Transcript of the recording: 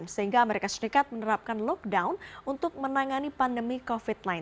sehingga amerika serikat menerapkan lockdown untuk menangani pandemi covid sembilan belas